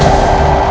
aku sudah menang